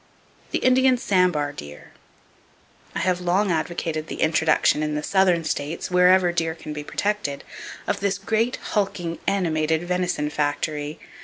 The Indian Sambar Deer.—I have long advocated the introduction in the southern states, wherever deer can be protected, of this great, hulking, animated venison factory.